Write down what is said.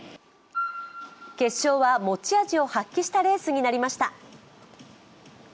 決勝は持ち味を発揮したレースになりました。